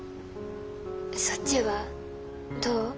そっちはどう？